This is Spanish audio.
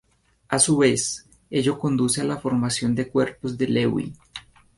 A su vez, ello conduce a la formación de cuerpos de Lewy.